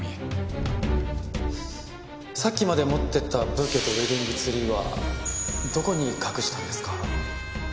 さっきまで持ってたブーケとウェディングツリーはどこに隠したんですか？